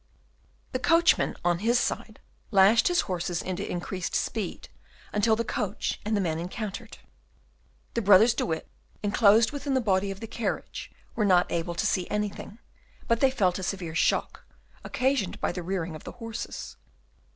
The coachman, on his side, lashed his horses into increased speed, until the coach and the men encountered. The brothers De Witt, enclosed within the body of the carriage, were not able to see anything; but they felt a severe shock, occasioned by the rearing of the horses.